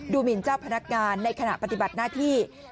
หมินเจ้าพนักงานในขณะปฏิบัติหน้าที่